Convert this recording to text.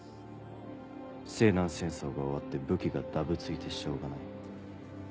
西南戦争が終わって武器がダブついてしょうがない。